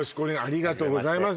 ありがとうございます